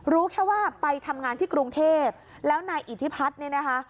รู้แค่ว่าไปทำงานที่กรุงเทพแล้วนายอิทธิพัฒน์เนี่ยนะคะ